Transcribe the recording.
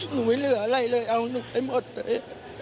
ไม่เหลืออะไรเลยเอาหนูไปหมดเลย